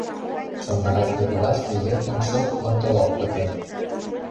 Чоҥгарак верлаште йытын чылт локтылалт пытен.